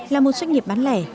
là một doanh nghiệp bán lẻ